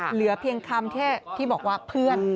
เหลือเพียงคำแค่ที่บอกว่าเพื่อน